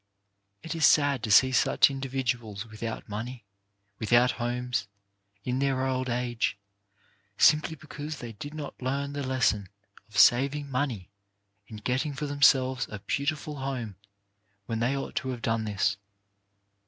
It is sad to see such individuals without money, without homes, in their old age, simply because they did not learn the lesson of saving money and getting for themselves a beautiful home when they ought to have done this.